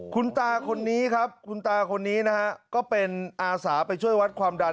คุณตาคนนี้ครับก็เป็นอาสาไปช่วยวัดความดัน